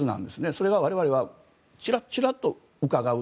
それが我々はチラチラとうかがう